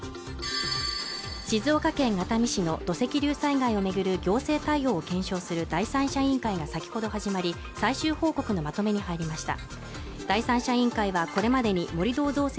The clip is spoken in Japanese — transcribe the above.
静岡県熱海市の土石流災害をめぐる行政対応を検証する第三者委員会が先ほど始まり最終報告のまとめに入りました